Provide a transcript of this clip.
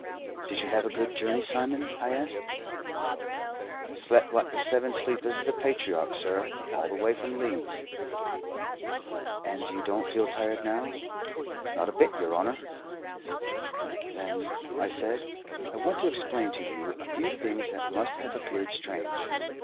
"Did you have a good journey, Simon?" I asked. "Slept like the seven sleepers of the patriarch, sur, all the way from Leeds." "And you don't feel tired now?" "Not a bit, yer honour." "Then," I said, "I want to explain to you a few things that must have appeared strange."